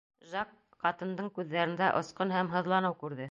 Жак ҡатындың күҙҙәрендә осҡон һәм һыҙланыу күрҙе.